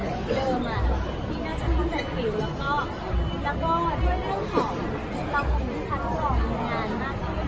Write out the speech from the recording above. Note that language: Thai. พยายามเมื่อวันนั้นเกิดขึ้นเพราะว่าสมัครบ้านเขาอาจจะต้องเป็นแม่บ้าน